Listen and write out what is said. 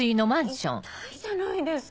痛いじゃないですか。